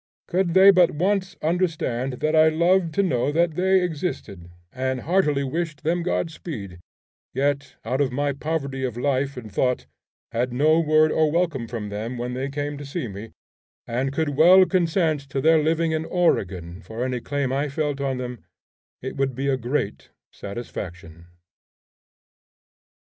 Could they but once understand that I loved to know that they existed, and heartily wished them God speed, yet, out of my poverty of life and thought, had no word or welcome for them when they came to see me, and could well consent to their living in Oregon, for any claim I felt on them, it would be a great satisfaction.